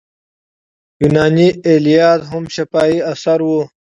یوناني ایلیاد هم شفاهي اثر و.